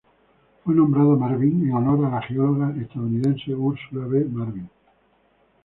Fue nombrado Marvin en honor a la geóloga estadounidense Ursula B. Marvin.